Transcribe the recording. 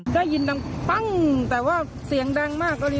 ได้ยินดังปั้งแต่ว่าเสียงดังมาก